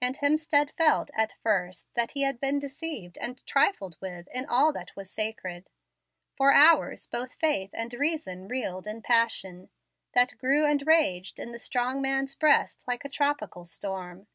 And Hemstead felt, at first, that he had been deceived and trifled with in all that was sacred. For hours both faith and reason reeled in passion, that grew and raged in the strong man's breast like a tropical storm.